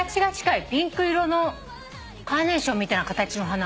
ピンク色のカーネーションみたいな形の花。